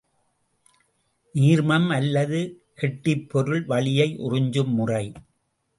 நீர்மம் அல்லது கெட்டிப்பொருள் வளியை உறிஞ்சும் முறை.